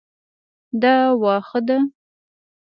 دا واښه ده